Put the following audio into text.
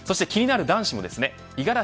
そして気になる男子もですね